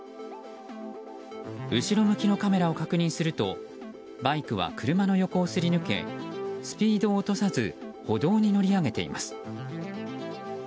後ろ向きのカメラを確認するとバイクは車の横をすり抜けスピードを落とさず歩道に乗り上げています。